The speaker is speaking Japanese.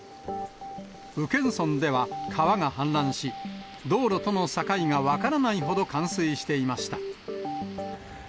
宇検村では、川が氾濫し、道路との境が分からないほど冠水していました。